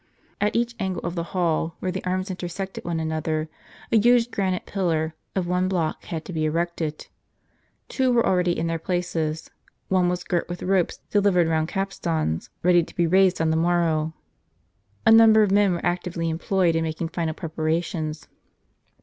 At each angle of the hall, where the arms intersected one another, a huge granite pillar of one block had to be erected. Two were already in their places, one was girt with ropes delivered round capstans, ready to be raised on the morrow. A number of men were actively ^ employed in making final preparations.